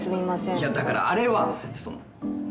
いやだからあれは！